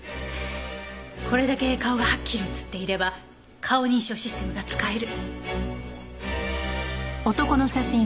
これだけ顔がはっきり写っていれば顔認証システムが使える。